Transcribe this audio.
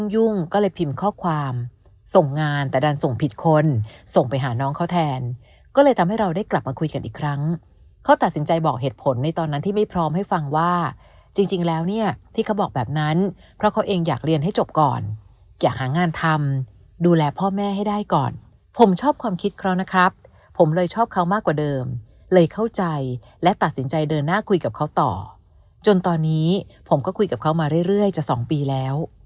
ยุ่งก็เลยพิมพ์ข้อความส่งงานแต่ดันส่งผิดคนส่งไปหาน้องเขาแทนก็เลยทำให้เราได้กลับมาคุยกันอีกครั้งเขาตัดสินใจบอกเหตุผลในตอนนั้นที่ไม่พร้อมให้ฟังว่าจริงแล้วเนี่ยที่เขาบอกแบบนั้นเพราะเขาเองอยากเรียนให้จบก่อนอยากหางานทำดูแลพ่อแม่ให้ได้ก่อนผมชอบความคิดเขานะครับผมเลยชอบเขามากกว่าเดิมเลยเข้า